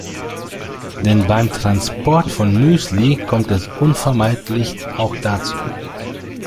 Denn beim Transport von Müsli kommt es unvermeidlich auch dazu.